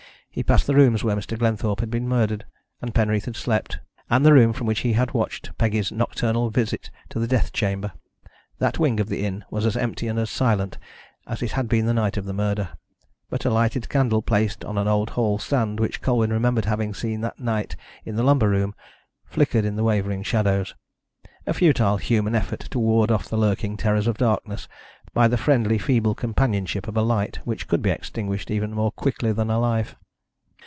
He passed the rooms where Mr. Glenthorpe had been murdered and Penreath had slept, and the room from which he had watched Peggy's nocturnal visit to the death chamber. That wing of the inn was as empty and silent as it had been the night of the murder, but a lighted candle, placed on an old hall stand which Colwyn remembered having seen that night in the lumber room, flickered in the wavering shadows a futile human effort to ward off the lurking terrors of darkness by the friendly feeble companionship of a light which could be extinguished even more quickly than a life.